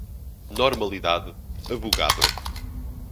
normalidade, avogadro